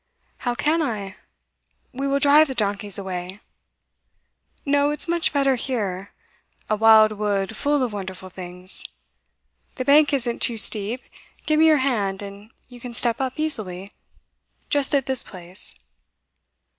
'How can I? We will drive the donkeys away.' 'No; it's much better here; a wild wood, full of wonderful things. The bank isn't too steep. Give me your hand, and you can step up easily, just at this place.